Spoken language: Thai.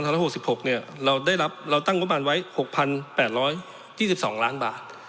เราตั้งงบประมาณไว้๖๘๒๒ล้านบาท